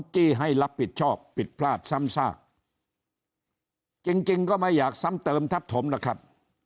จี้ให้รับผิดชอบผิดพลาดซ้ำซากจริงจริงก็ไม่อยากซ้ำเติมทับถมหรอกครับ